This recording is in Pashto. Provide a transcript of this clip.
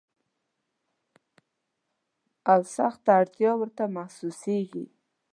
او سخته اړتیا ورته محسوسیږي.